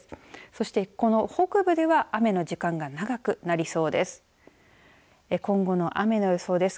そして、この北部では雨の時間が長くなりそうです。